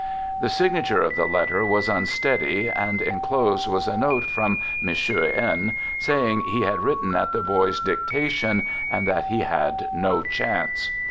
The signature of the letter was un steady, and enclosed was a note from " Mr. N " saying he had written at the boy's dictation, and that he had no chance.